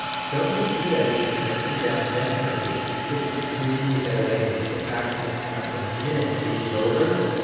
"Don't you see that if she turns him down definitely he'll be scheming to get away, to get back to the front, the minute his leave is over?